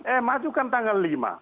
eh maju kan tanggal lima